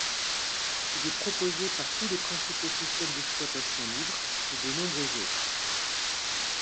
Il est proposé par tous les principaux systèmes d'exploitation libres, et de nombreux autres.